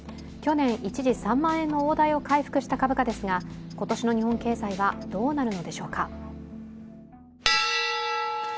去年、一時３万円の大台を回復した株価ですが、今年の日本経済はどうなるのでしょうか。